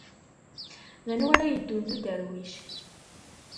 D anwa ara yeddun d uderwic?